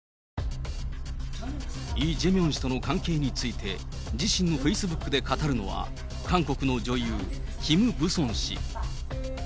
イ・ジェミョン氏との関係について、自身のフェイスブックで語るのは、韓国の女優、キム・ブソン氏。